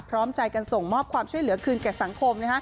พร้อมใจกันส่งมอบความช่วยเหลือคืนแก่สังคม